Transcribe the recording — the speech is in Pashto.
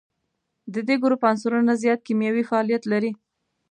د دې ګروپ عنصرونه زیات کیمیاوي فعالیت لري.